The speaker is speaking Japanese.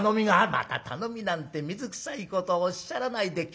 「また頼みなんて水くさいことをおっしゃらないで家来です